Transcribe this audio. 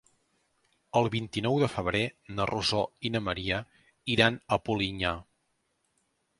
El vint-i-nou de febrer na Rosó i na Maria iran a Polinyà.